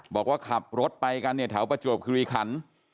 บอกว่าขับรถไปกันเนี่ยแถวประจวบคิริขัน